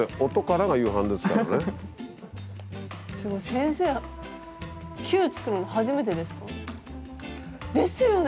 先生球作るの初めてですか？ですよね！